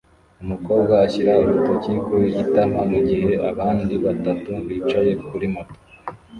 Umukobwa ashyira urutoki ku itama mugihe abandi batatu bicaye kuri moto